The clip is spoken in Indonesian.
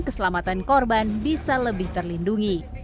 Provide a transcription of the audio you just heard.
penkorban bisa lebih terlindungi